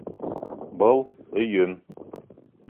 Был өйөм!